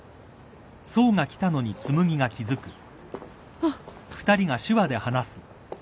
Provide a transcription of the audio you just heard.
あっ！